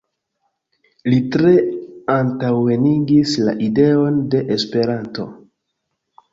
Li tre antaŭenigis la ideon de Esperanto.